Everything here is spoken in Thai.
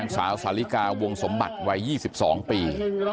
สาวสาลิกาวงสมบัติวัย๒๒ปี